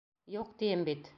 Юҡ, тием бит!